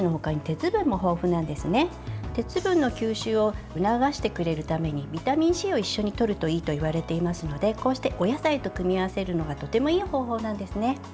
鉄分の吸収を促してくれるためにビタミンＣを一緒にとるといいといわれていますので、こうしてお野菜と組み合わせるのがとてもいい方法なんですね。